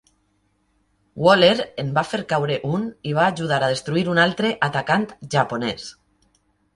"Waller" en va fer caure un i va ajudar a destruir un altre atacant japonès.